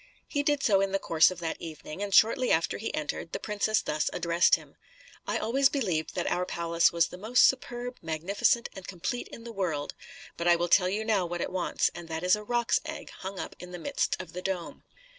He did so in the course of that evening, and shortly after he entered, the princess thus addressed him: "I always believed that our palace was the most superb, magnificent, and complete in the world: but I will tell you now what it wants, and that is a roc's egg hung up in the midst of the dome."